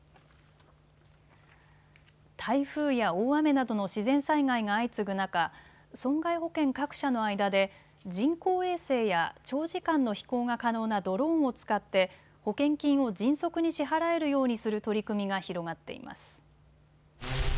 台風や大雨などの自然災害が相次ぐ中、損害保険各社の間で人工衛星や長時間の飛行が可能なドローンを使って保険金を迅速に支払えるようにする取り組みが広がっています。